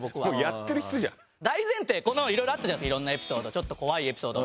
大前提色々あったじゃないですか色んなエピソードちょっと怖いエピソード。